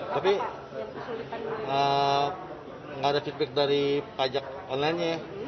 tapi nggak ada feedback dari pajak online nya